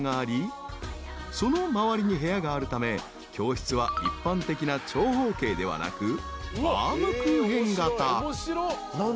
［その周りに部屋があるため教室は一般的な長方形ではなくバームクーヘン形］